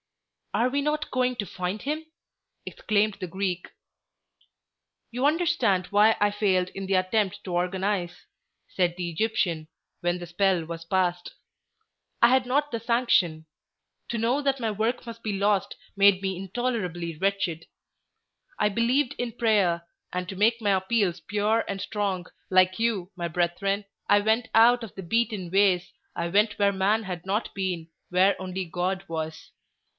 "Are we not going to find him?" exclaimed the Greek. "You understand why I failed in the attempt to organize," said the Egyptian, when the spell was past. "I had not the sanction. To know that my work must be lost made me intolerably wretched. I believed in prayer, and to make my appeals pure and strong, like you, my brethren, I went out of the beaten ways, I went where man had not been, where only God was.